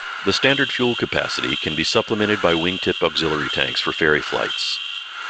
The standard fuel capacity can be supplemented by wingtip auxiliary tanks for ferry flights.